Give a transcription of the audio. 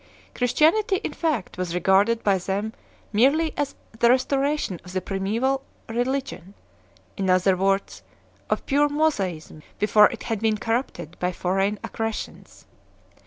Christianity in fact was regarded by them merely as the restoration of the primaeval religion ; in other words, of pure Mosaism before it had been corrupted by foreign accretions 2